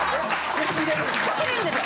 腰入れるんですよ。